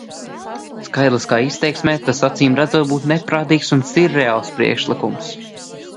Skaitliskā izteiksmē tas acīmredzot būtu neprātīgs un sirreāls priekšlikums.